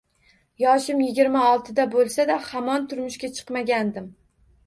Yoshim yigirma oltida bo`lsa-da, hamon turmushga chiqmagandim